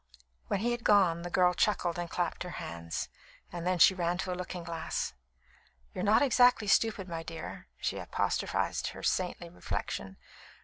When he had gone, the girl chuckled and clapped her hands. Then she ran to a looking glass. "You're not exactly stupid, my dear," she apostrophised her saintly reflection.